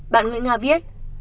bạn nguyễn nga viết